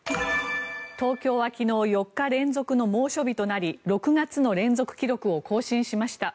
東京は昨日４日連続の猛暑日となり６月の連続記録を更新しました。